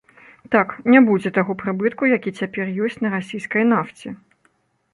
Так, не будзе таго прыбытку, які цяпер ёсць на расійскай нафце.